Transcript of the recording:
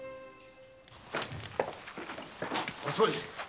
遅い。